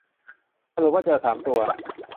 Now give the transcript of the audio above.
สรุปว่าเจอ สาม ตัว